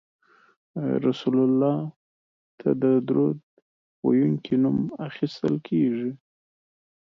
رسول الله ته د درود ویونکي نوم اخیستل کیږي